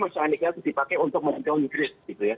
hanya sama seandainya itu dipakai untuk meng downgrade gitu ya